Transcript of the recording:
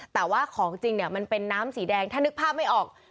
แต่ว่าของจริงเนี่ยมันเป็นน้ำสีแดงถ้านึกภาพไม่ออก